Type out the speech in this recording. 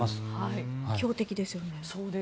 強敵ですよね。